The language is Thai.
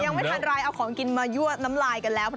ยังไม่ทันไรเอาของกินมายวดน้ำลายกันแล้ว